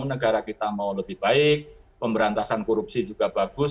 negara kita mau lebih baik pemberantasan korupsi juga bagus